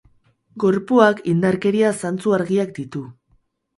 Gorpuak indarkeria zantzu argiak ditu.